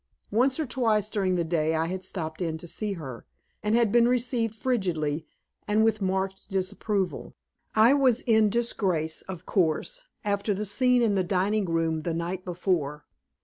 Once or twice during the day I had stopped in to see her, and had been received frigidly and with marked disapproval. I was in disgrace, of course, after the scene in the dining room the night before.